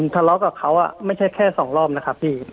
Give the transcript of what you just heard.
ผมทะเลาะกับเขาอ่ะไม่ใช่แค่๒รอบนะครับพี่